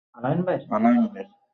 সাঠিক জানি না।